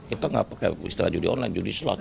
kita nggak pakai istilah judi online judi slot